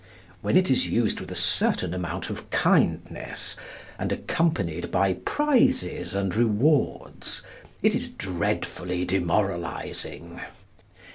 When it is used with a certain amount of kindness, and accompanied by prizes and rewards, it is dreadfully demoralising.